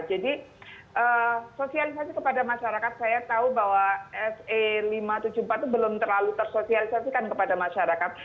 jadi sosialisasi kepada masyarakat saya tahu bahwa se lima ratus tujuh puluh empat itu belum terlalu tersosialisasikan kepada masyarakat